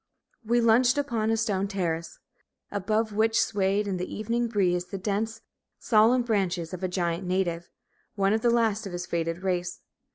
We lunched upon a stone terrace, above which swayed in the evening breeze the dense, solemn branches of a giant native, one of the last of his fated race.